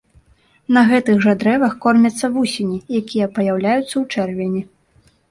На гэтых жа дрэвах кормяцца вусені, якія паяўляюцца ў чэрвені.